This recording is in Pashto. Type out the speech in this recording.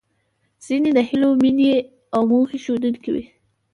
ځينې د هیلو، مينې او موخې ښودونکې وې.